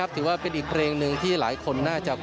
และก็มีการกินยาละลายริ่มเลือดแล้วก็ยาละลายขายมันมาเลยตลอดครับ